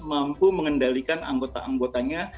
mampu mengendalikan anggota anggotanya